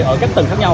ở các tầng khác nhau